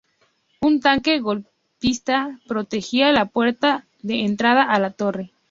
Un tanque golpista protegía la puerta de entrada a la torre.